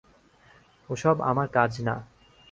ওসব আমার কাজ না।